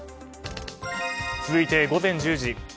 続いて午前１０時。